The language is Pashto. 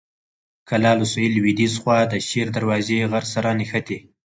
کلا له سویل لویديځې خوا د شیر دروازې غر سره نښتې.